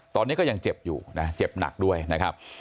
ตอนนี้ก็ยังเจ็บอยู่นะเจ็บหนักด้วยนะครับ